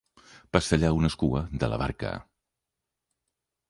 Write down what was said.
Pastellar una escua de la barca.